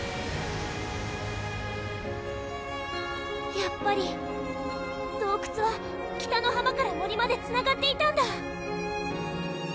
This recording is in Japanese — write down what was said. やっぱり洞窟は北の浜から森までつながっていたんだ